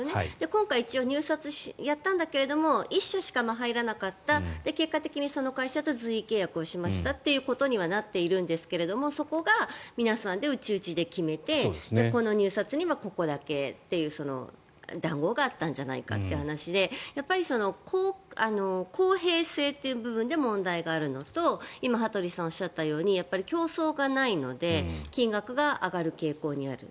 今回、一応入札やったんだけど１社しか入らなかった結果的にその会社と随意契約をしましたということになっているんですけれどもそこが皆さんで内々で決めてこの入札にここだけっていう談合があったんじゃないかっていう話でやっぱり公平性という部分で問題があるのと今、羽鳥さんがおっしゃったように競争がないので金額が上がる傾向にある。